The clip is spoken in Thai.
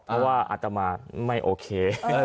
เพราะว่าอาตมาไม่โอเค